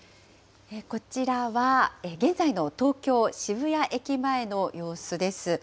こちらは、現在の東京・渋谷駅前の様子です。